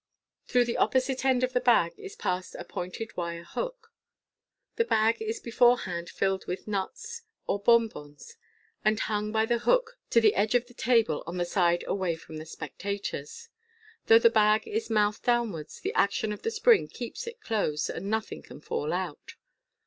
Through the opposite end of the bag is passed a pointed wire hook. The bag is beforehand tilled with nuts or bon bons, and hung by the hook to the edge of the table on the side away from the spectators. Though the bag is mouth downwards, the action of the spring keeps it closed, and nothing can fall out.